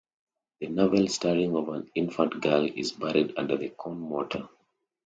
The navel-string of an infant girl is buried under the corn mortar.